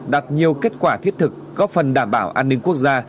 đạt nhiều kết quả thiết thực góp phần đảm bảo an ninh quốc gia